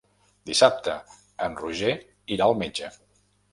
Dissabte en Roger irà al metge.